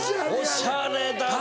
おしゃれだな！